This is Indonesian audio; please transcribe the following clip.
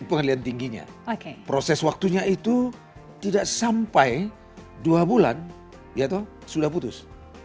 pengadilan tingginya proses waktunya itu tidak sampai dua bulan ya toh sudah putus